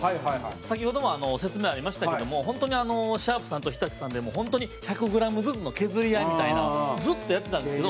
先ほども説明ありましたけども本当にシャープさんと日立さんで本当に、１００ｇずつの削り合いみたいなのをずっとやってたんですけど。